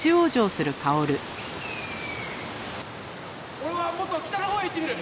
俺はもっと北のほうへ行ってみる！